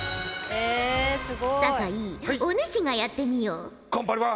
酒井お主がやってみよ。